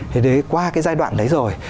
thì đấy qua cái giai đoạn đấy rồi